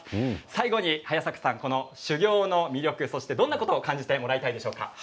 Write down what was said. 最後に早坂さん、修行の魅力どんなことを感じてもらいたいでしょうか。